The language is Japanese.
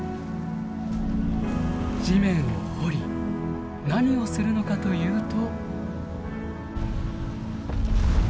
地面を掘り何をするのかというと。